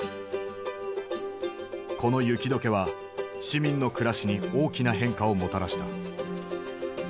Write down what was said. この雪解けは市民の暮らしに大きな変化をもたらした。